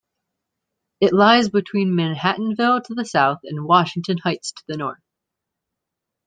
It lies between Manhattanville to the south and Washington Heights to the north.